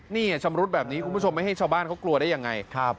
นี่ชำรุดแบบนี้คุณผู้ชมไม่ให้ชาวบ้านเขากลัวได้ยังไง